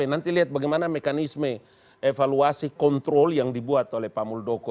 nanti lihat bagaimana mekanisme evaluasi kontrol yang dibuat oleh pak muldoko